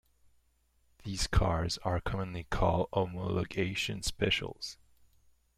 These cars are commonly called "homologation specials".